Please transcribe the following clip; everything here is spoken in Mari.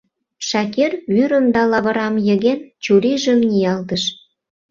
Шакир, вӱрым да лавырам йыген, чурийжым ниялтыш.